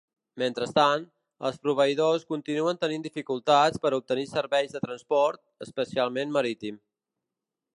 Mentrestant, els proveïdors continuen tenint dificultats per a obtenir serveis de transport, especialment marítim.